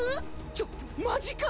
ちょっマジか！